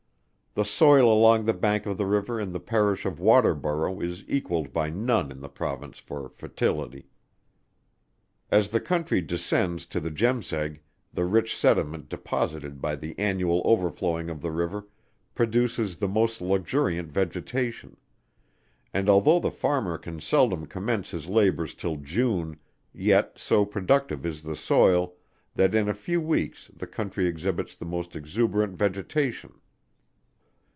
The soil along the bank of the river in the Parish of Waterborough is equalled by none in the Province for fertility. As the country descends to the Jemseg, the rich sediment deposited by the annual overflowing of the river, produces the most luxuriant vegetation, and although the farmer can seldom commence his labours till June, yet so productive is the soil, that in a few weeks the county exhibits the most exuberant vegetation.